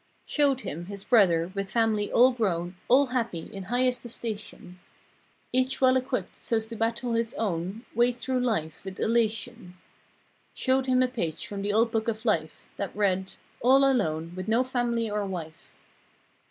Showed him, his brother, with family all grown, All happy—in highest of station. Each well equipped so's to battle his own Way through this life with elation. Showed him a page from the old book of life— That read—"All alone, with no family or wife!"